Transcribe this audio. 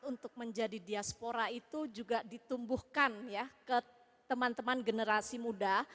untuk menjadi diaspora itu juga ditumbuhkan ya ke teman teman generasi muda